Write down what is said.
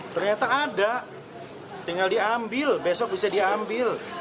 ternyata ada tinggal diambil besok bisa diambil